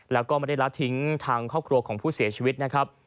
แล้วก็ไม่ได้ละทิ้งทางครอบครัวของผู้เสียชีวิตนะครับ